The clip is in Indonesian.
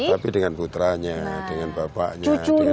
tapi dengan putranya dengan bapaknya dengan cucunya